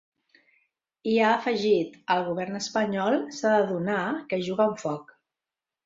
I ha afegit: El govern espanyol s’ha d’adonar que juga amb foc.